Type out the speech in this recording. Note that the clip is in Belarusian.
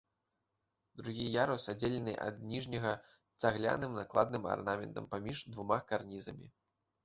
Другі ярус аддзелены ад ніжняга цагляным накладным арнаментам паміж двума карнізамі.